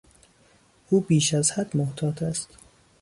او بیش از حد محتاط است.